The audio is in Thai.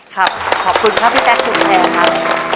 ครับขอบคุณครับพี่แจ๊คคุณแพรครับ